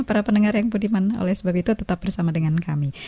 para pendengar yang budiman oleh sebab itu tetap bersama dengan kami